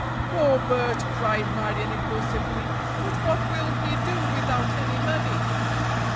"Poor Bert!" cried Marion impulsively, "but what will he do without any money?"